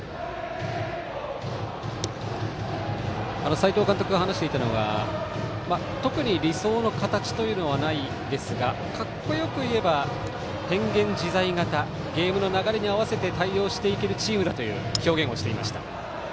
斎藤監督が話していたのが特に理想の形はないですが格好よく言えば、変幻自在型ゲームの流れに合わせて対応していけるチームだと表現をしていました。